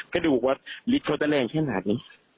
ก็ดูว่าลิตรเขาตั้งแรงแค่งนานนี้